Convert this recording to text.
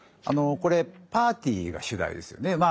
あのこれパーティーが主題ですよね。